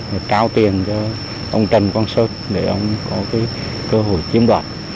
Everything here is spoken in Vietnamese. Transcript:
để trao tiền cho ông trần quang sơn để ông có cái cơ hội chiếm đoạt